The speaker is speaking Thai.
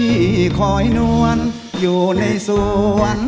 พี่คอยนวลอยู่ในส่วนตั้งนาน